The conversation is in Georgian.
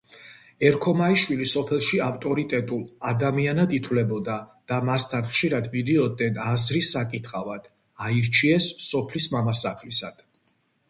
ერქომაიშვილი სოფელში ავტორიტეტულ ადამიანად ითვლებოდა და მასთან ხშირად მიდიოდნენ აზრის საკითხავად, აირჩიეს სოფლის მამასახლისად.